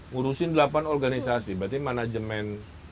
ngurusin delapan organisasi berarti manajemen